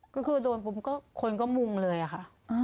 ก็คือโดนผมคนก็มุ่งเลยค่ะ